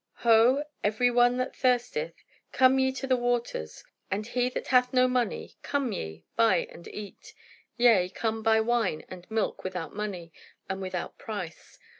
"'Ho, every one that thirsteth, come ye to the waters, and he that hath no money: come ye, buy and eat; yea, come, buy wine and milk without money, and without price.